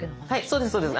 そうですそうです。